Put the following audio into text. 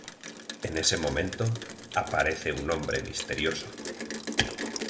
En ese momento, aparece un hombre misterioso.